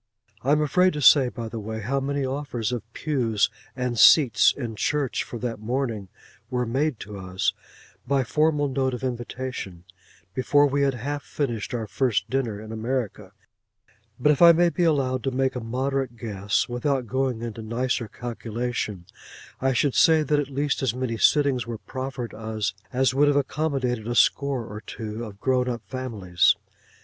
I am afraid to say, by the way, how many offers of pews and seats in church for that morning were made to us, by formal note of invitation, before we had half finished our first dinner in America, but if I may be allowed to make a moderate guess, without going into nicer calculation, I should say that at least as many sittings were proffered us, as would have accommodated a score or two of grown up families.